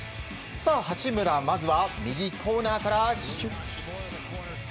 八村まずは右コーナーから。